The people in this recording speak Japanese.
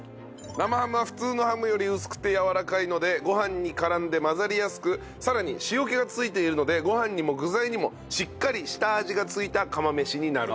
生ハムは普通のハムより薄くてやわらかいのでご飯に絡んで混ざりやすくさらに塩気がついているのでご飯にも具材にもしっかり下味がついた釜飯になる。